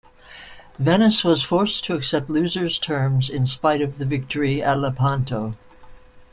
Venice was forced to accept loser's terms in spite of the victory at Lepanto.